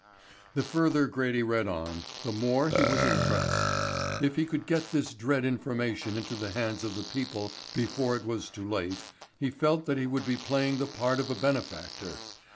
The further Grady read on the more he was impressed. If he could get this dread information into the hands of the people before it was too late, he felt that he would be playing the part of a benefactor.